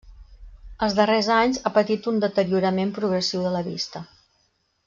Els darrers anys ha patit un deteriorament progressiu de la vista.